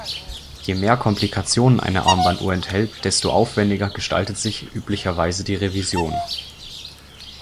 Je mehr Komplikationen eine Armbanduhr enthält, desto aufwendiger gestaltet sich üblicherweise die Revision.